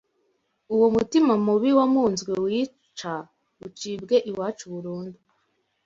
uwo mutima mubi wamunzwe wica ucibwe iwacu burundu